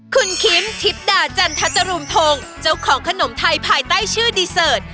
คุณคิมทิพดาจันทจรูนพงศ์เจ้าของขนมไทยภายใต้ชื่อดีเสิร์ต